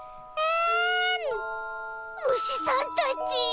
むしさんたち。